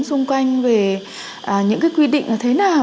xung quanh về những cái quy định là thế nào